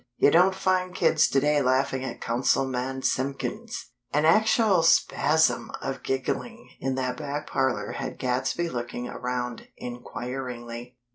You don't find kids today laughing at Councilman Simpkins." An actual spasm of giggling in that back parlor had Gadsby looking around, inquiringly.